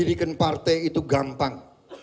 pendidikan partai itu gampang